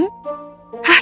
dan juga untuk anang